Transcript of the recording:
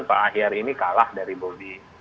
pak ahyar ini kalah dari bobi